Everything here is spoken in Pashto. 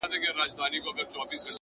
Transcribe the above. اخلاص د انسان اصلي ځواک دی